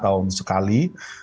lima tahun sekali